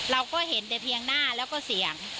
เราก็เห็นแต่เพียงหน้าแล้วก็เสียง